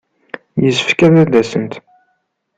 Yessefk ad d-asent.